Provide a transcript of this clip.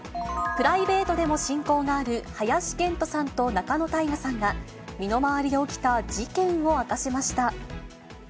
プライベートでも親交がある林遣都さんと仲野太賀さんが、身の回りで起きた事件を明かしました。